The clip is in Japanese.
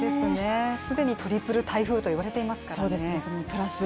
既にトリプル台風といわれていますからね。